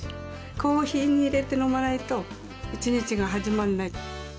コーヒーに入れて飲まないと一日が始まらない。